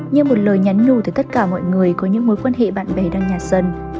như một lời nhắn nhủ tới tất cả mọi người có những mối quan hệ bạn bè đang nhà sân